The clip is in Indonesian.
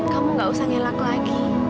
kamu gak usah ngelak lagi